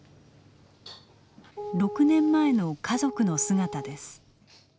６年前の家族の姿です。